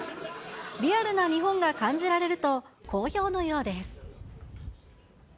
リアルな日本が感じられると、好評のようです。